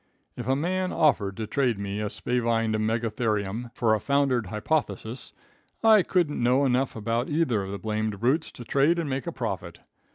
If a man offered to trade me a spavined megatherium for a foundered hypothesis, I couldn't know enough about either of the blamed brutes to trade and make a profit.